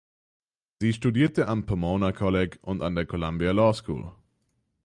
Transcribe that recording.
Sie studierte am Pomona Kolleg und an der Columbia Law School.